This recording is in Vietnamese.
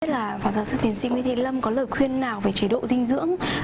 là phó giáo sư tiến sĩ nguyễn thị lâm có lời khuyên nào về chế độ dinh dưỡng